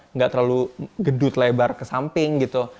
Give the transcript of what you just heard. nggak terlalu gedut lebar ke samping gitu